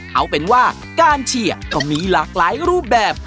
เอาเป็นว่าการเชียร์ก็มีหลากหลายรูปแบบ